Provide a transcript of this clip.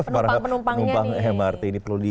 para penumpang mrt ini perlu di